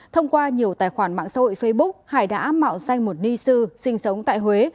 thông qua nhiều tài khoản mạng xã hội facebook hải đã mạo danh một ni sư sinh sống tại huế